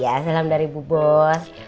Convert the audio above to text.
ya salam dari bu bos